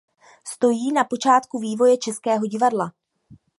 Stojí na počátku vývoje českého divadla.